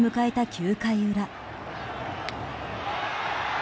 ９回裏。